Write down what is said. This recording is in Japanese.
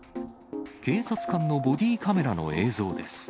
警察官のボディーカメラの映像です。